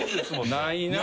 ないなあ。